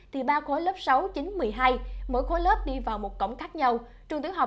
thì ba khối lớp sáu chín một mươi hai mỗi khối lớp đi vào một cổng khác nhau